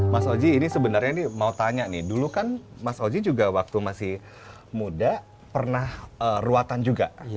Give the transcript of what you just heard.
mas oji ini sebenarnya ini mau tanya nih dulu kan mas oji juga waktu masih muda pernah ruatan juga